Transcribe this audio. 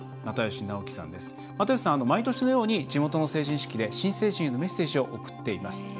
又吉さんは、毎年のように地元の成人式で新成人へのメッセージを送っています。